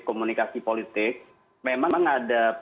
komunikasi politik memang ada